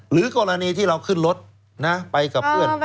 หรือกรณีที่เราขึ้นรถไปกับเพื่อน